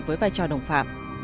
với vai trò đồng phạm